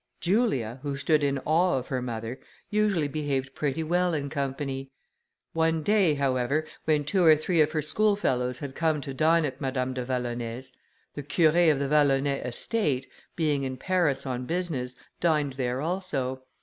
Julia, who stood in awe of her mother, usually behaved pretty well in company. One day, however, when two or three of her schoolfellows had come to dine at Madame de Vallonay's, the Curé of the Vallonay estate, being in Paris on business, dined there also.